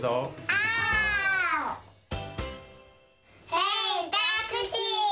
オ！ヘイタクシー！